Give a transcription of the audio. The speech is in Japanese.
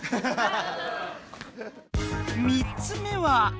３つ目は？